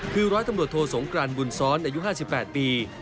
คือร้อยตำรวจโทสงกรานบุญซ้อนอายุ๕๘ปี